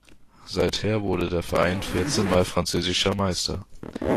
Seither wurde der Verein vierzehn mal französischer Meister.